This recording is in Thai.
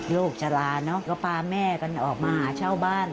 ชะลาเนอะก็พาแม่กันออกมาหาเช่าบ้าน